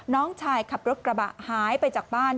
น้องชายขับรถกระบะหายไปจากบ้าน